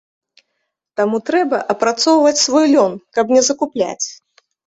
Таму трэба апрацоўваць свой лён, каб не закупляць.